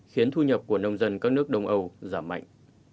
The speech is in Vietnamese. khiến thu nhập của nông dân các nước đông âu giảm mạnh